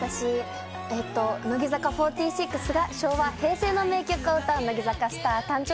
乃木坂４６が昭和・平成の名曲を歌う『乃木坂スター誕生！